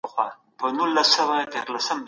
افغان ځوانان د کار کولو مساوي حق نه لري.